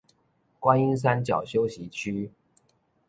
觀音山腳休息區